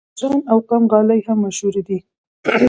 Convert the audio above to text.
د کاشان او قم غالۍ هم مشهورې دي.